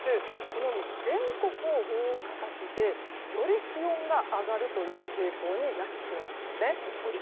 このように全国を覆う形でより気温が上がるという傾向になりそうなんですね。